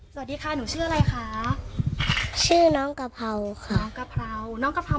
สวัสดีค่ะหนูชื่ออะไรคะชื่อน้องกะเพราค่ะน้องกะเพราน้องกะเพรา